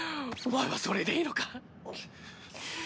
お前はそれでいいのか？